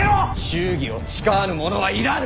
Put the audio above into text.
忠義を誓わぬ者は要らぬ！